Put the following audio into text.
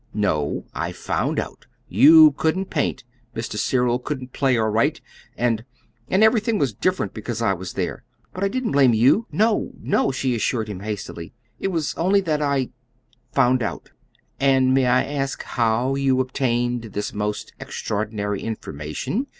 "No. I found out. You couldn't paint; Mr. Cyril couldn't play or write; and and everything was different because I was there. But I didn't blame you no, no!" she assured him hastily. "It was only that I found out." "And may I ask HOW you obtained this most extraordinary information?"